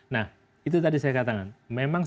nah itu tadi saya katakan memang